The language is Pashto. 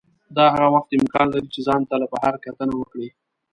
دا هغه وخت امکان لري چې ځان ته له بهر کتنه وکړئ.